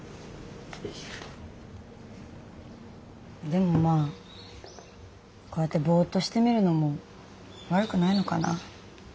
でもまあこうやってぼっとしてみるのも悪くないのかな。